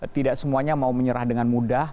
tidak semuanya mau menyerah dengan mudah